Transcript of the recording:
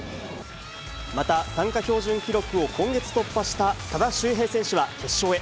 また参加標準記録を今月突破した、多田修平選手は決勝へ。